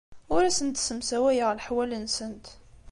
Ur asent-ssemsawayeɣ leḥwal-nsent.